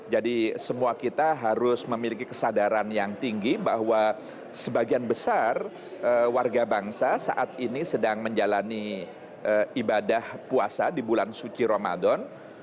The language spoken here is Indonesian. jadi semua kita harus memiliki kesadaran yang tinggi bahwa sebagian besar warga bangsa saat ini sedang menjalani ibadah puasa di bulan suci ramadhan